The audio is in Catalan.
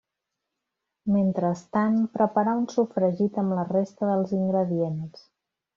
Mentrestant, preparar un sofregit amb la resta dels ingredients.